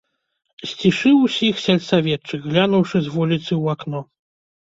Сцішыў усіх сельсаветчык, глянуўшы з вуліцы ў акно.